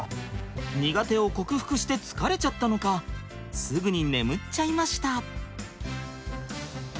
苦手を克服して疲れちゃったのかすぐに眠っちゃいました。